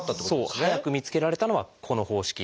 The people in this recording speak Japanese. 早く見つけられたのはこの方式。